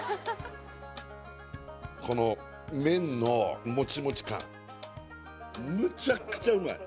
この麺のモチモチ感むちゃくちゃうまい！